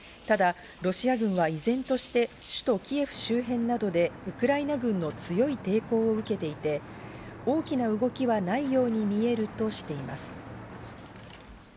ただロシア軍は依然として首都キエフ周辺などでウクライナ軍の強い抵抗を受けていて、大きな動きはないように見えるとしています。